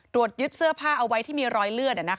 ยึดเสื้อผ้าเอาไว้ที่มีรอยเลือด